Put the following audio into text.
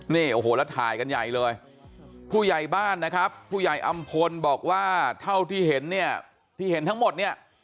แล้วถ่ายกันใหญ่เลยผู้ใหญ่บ้านนะครับผู้ใหญ่อำพลบอกว่าเท่าที่เห็นทั้งหมดนี่